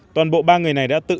toàn bộ ba người này đã tự do